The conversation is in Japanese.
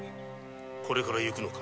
これから行くのか？